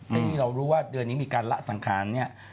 เมื่อเรารู้ว่าเดือนนี้มีการละสังคาร